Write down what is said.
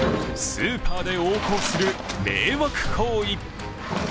スーパーで横行する迷惑行為。